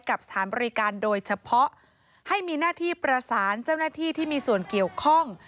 กับสถานบริการโดยเฉพาะให้มีหน้าที่ประสานเจ้าหน้าที่ที่มีส่วนเกี่ยวข้อง